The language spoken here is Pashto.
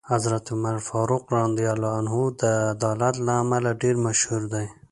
حضرت عمر فاروق رض د عدالت له امله ډېر مشهور دی.